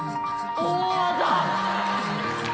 大技！